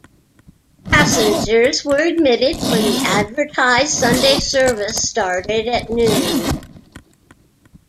Passengers were admitted when the advertised Sunday service started at noon.